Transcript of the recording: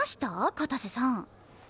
片瀬さん。